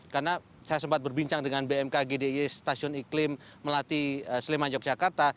karena saya sempat berbincang dengan bmkg d i y stasiun iklim melati sleman yogyakarta